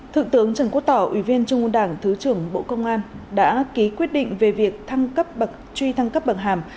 thượng tướng trần quốc tỏ ủy viên trung ương đảng thứ trưởng bộ công an đã ký quyết định về việc truy thăng cấp bằng hàm